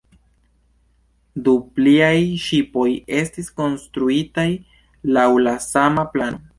Du pliaj ŝipoj estis konstruitaj laŭ la sama plano.